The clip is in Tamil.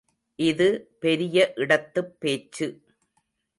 இது பெரிய இடத்துப் பேச்சு.